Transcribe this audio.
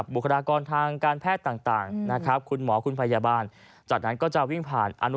โหครับข้างแน่นอน